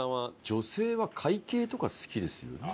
女性は貝系とか好きですよね。